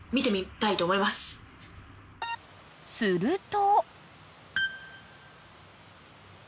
［すると］